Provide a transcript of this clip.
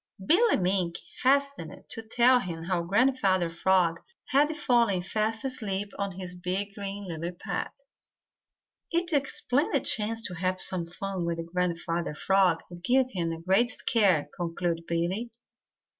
Billy Mink hastened to tell him how Grandfather Frog had fallen fast asleep on his big green lily pad. "It's a splendid chance to have some fun with Grandfather Frog and give him a great scare," concluded Billy.